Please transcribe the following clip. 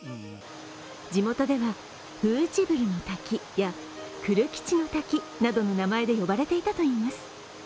地元ではフウチブルの滝やクルキチの滝などの名前で呼ばれていたといいます。